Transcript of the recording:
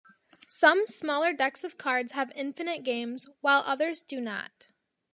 Some smaller decks of cards have infinite games, while others do not.